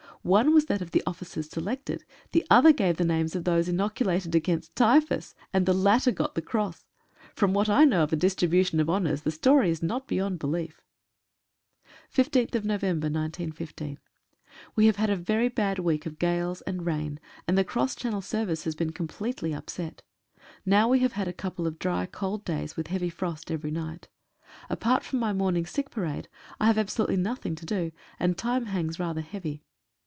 One was that of the officers selected — the other gave the names of those inoculated against typhus — and the latter got the Cross ! From what I know of the distribution of honors the story is not beyond belief. «> H «> 15/11/15. ^ttffr E have had a very bad week of gales and rain, and JUtl the Cross Channel service has been completely upset. Now we have had a couple of dry, cold days, with heavy frost every night. Apart from my morning sick parade I have absolutely nothing to do, and time hangs rather heavy.